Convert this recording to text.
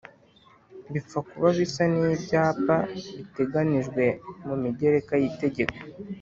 bipfa kuba bisa n'ibyapa biteganijwe mu migereka y'itegeko